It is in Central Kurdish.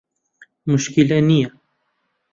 موشکیلە نیە.